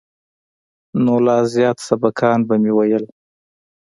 نو لا زيات سبقان به مې ويل.